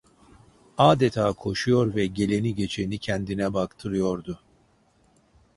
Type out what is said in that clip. Adeta koşuyor ve geleni geçeni kendine baktırıyordu.